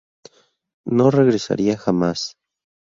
No regresaría jamás.